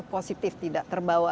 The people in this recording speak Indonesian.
positif tidak terbawa